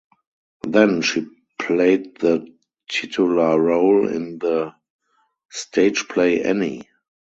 Then she played the titular role in the stage play "Annie".